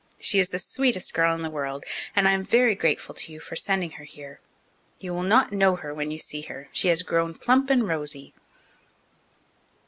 She is the sweetest girl in the world, and I am very grateful to you for sending her here. You will not know her when you see her. She has grown plump and rosy.